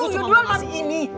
gue cuma mau kasih ini